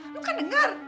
lu kan denger